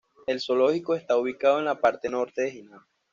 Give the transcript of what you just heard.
El zoológico está ubicado en la parte norte de Jinan.